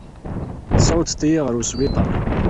Tessawḍeḍ-iyi ɣer wesbiṭar.